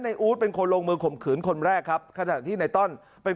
ในอู้เป็นคนลงมือข่มขื่นคนแรกครับสถานที่ในตอนเป็น